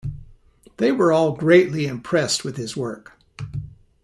They were all greatly impressed with his work.